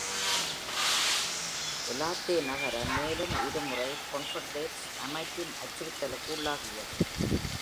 ஒலாத்தே நகரம் மேலும் இருமுறை Confederates அமைப்பின் அச்சறுத்தலுக்கு உள்ளாகியது.